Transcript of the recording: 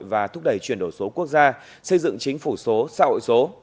và thúc đẩy chuyển đổi số quốc gia xây dựng chính phủ số xã hội số